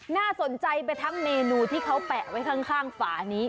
น่าสนใจไปทั้งเมนูที่เขาแปะไว้ข้างฝานี้